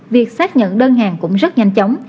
việc xác nhận đơn hàng cũng rất nhanh chóng